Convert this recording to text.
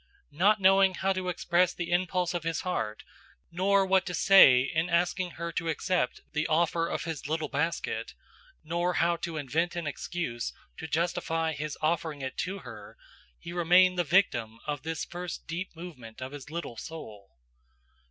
"Not knowing how to express the impulse of his heart, nor what to say in asking her to accept the offer of his little basket, nor how to invent an excuse to justify his offering it to her, he remained the victim of this first deep movement of his little soul.